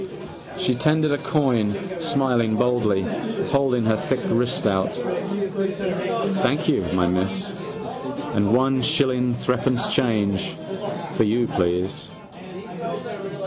She tendered a coin, smiling boldly, holding her thick wrist out. —Thank you, my miss. And one shilling threepence change. For you, please?